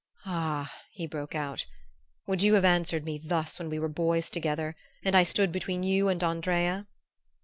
"Ah," he broke out, "would you have answered me thus when we were boys together, and I stood between you and Andrea?"